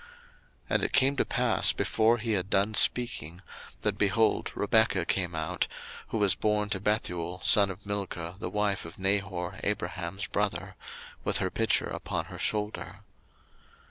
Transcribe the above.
01:024:015 And it came to pass, before he had done speaking, that, behold, Rebekah came out, who was born to Bethuel, son of Milcah, the wife of Nahor, Abraham's brother, with her pitcher upon her shoulder.